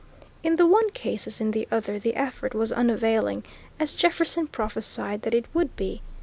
In the one case as in the other the effort was unavailing, as Jefferson prophesied that it would be.